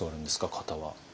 型は。